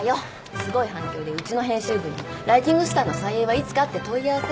すごい反響でうちの編集部にもライジングスターの再演はいつかって問い合わせが。